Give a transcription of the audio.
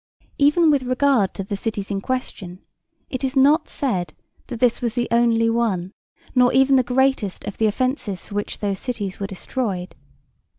Even with regard to the cities in question, it is not said that this was the only one nor even the greatest of the offences for which those cities were destroy'd.